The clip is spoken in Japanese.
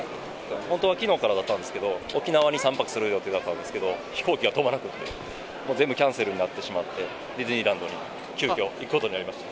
本当はきのうからだったんですけど、沖縄に３泊する予定だったんですけど、飛行機が飛ばなくって、全部キャンセルになってしまって、ディズニーランドに急きょ行くことになりました。